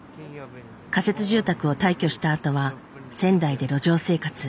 仮設住宅を退去したあとは仙台で路上生活。